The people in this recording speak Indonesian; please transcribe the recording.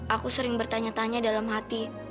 aku sering bertanya tanya dalam hati